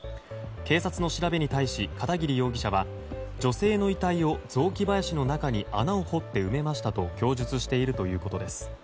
警察の調べに対し片桐容疑者は女性の遺体を雑木林の中に穴を掘って埋めましたと供述しているということです。